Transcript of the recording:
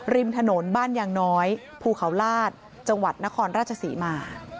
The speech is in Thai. ริมถนนบ้านยางน้อยภูเขาลาดจังหวัดนครราชศรีมา